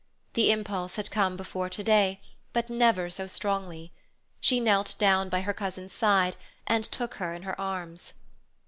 The impulse had come before to day, but never so strongly. She knelt down by her cousin's side and took her in her arms.